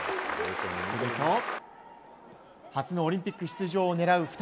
すると初のオリンピック出場を狙う２人。